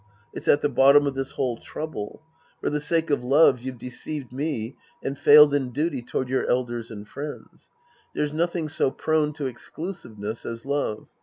It's at the bottom of this whole trouble. For the sake of love, you've deceived me and failed in duty toward your elders and friends. There's nothing so prone to exclusiveness as love.